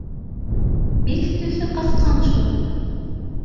— Бик төҫө ҡасҡан шул